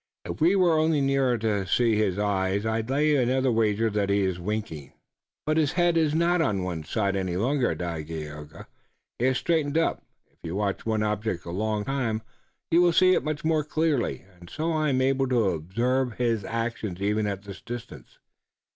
If we were only near enough to see his eyes I'd lay another wager that he is winking." "But his head is not on one side any longer, Dagaeoga. He has straightened up. If you watch one object a long time you will see it much more clearly, and so I am able to observe his actions even at this distance.